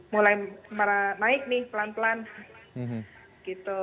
mulai naik nih pelan pelan gitu